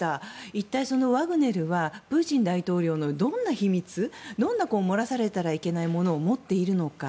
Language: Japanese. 一体ワグネルはプーチン大統領のどんな秘密どんな漏らされたらいけないものを持っているのか。